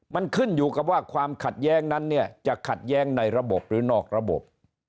มันขึ้นอยู่กับว่าความขัดแย้งนั้นเนี่ยจะขัดแย้งในระบบหรือนอกระบบ